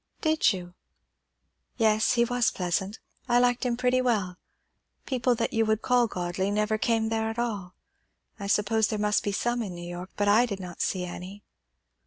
"Did you? Yes, he was pleasant. I liked him pretty well. People that you would call godly people never came there at all. I suppose there must be some in New York; but I did not see any."